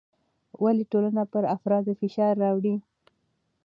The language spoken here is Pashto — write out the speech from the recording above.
ولې ټولنه پر افرادو فشار راوړي؟